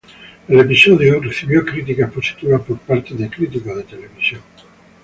El episodio recibió críticas positivas por parte de críticos de televisión.